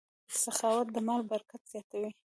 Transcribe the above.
سخاوت د مال برکت زیاتوي.